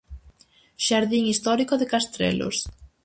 Xardín Histórico de Castrelos.